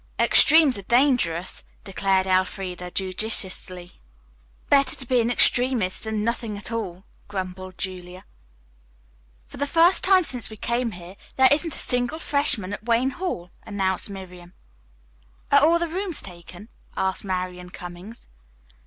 "Extremes are dangerous," declared Elfreda judicially. "Better be an extremist than nothing at all," grumbled Julia. "For the first time since we came here, there isn't a single freshman at Wayne Hall," announced Miriam. "Are all the rooms taken?" asked Marian Cummings.